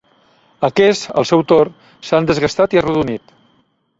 Aquests al seu torn s'han desgastat i arrodonit.